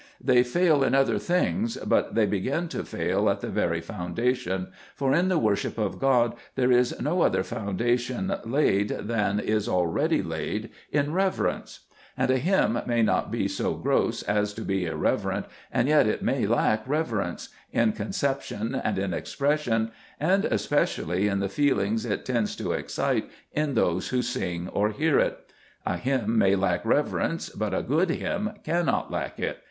They fail in other things, but they begin to fail at the very foundation ; for in the worship of God there is no other foun dation laid than is already laid, — in reverence. And a hymn may not be so gross as to be irreverent, and yet it may lack reverence, — in conception and in expression, and especially "ffntrofcuctton. in the feelings it tends to excite in those who sing or hear it. A hymn may lack reverence, but a good hymn cannot lack it.